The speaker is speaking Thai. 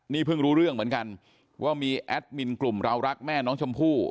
นี่เพิ่งรู้เรื่องเหมือนกันว่ามีแอดมินกลุ่มเรารักแม่น้องชมพู่